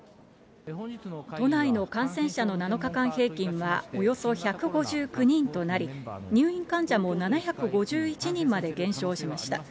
都内の感染者の７日間平均はおよそ１５９人となり、入院患者も７５１人まで減少しました。